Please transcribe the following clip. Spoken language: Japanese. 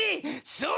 そう！